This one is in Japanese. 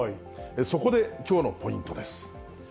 そこできょうのポイントです。